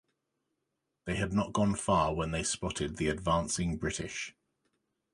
They had not gone far when they spotted the advancing British.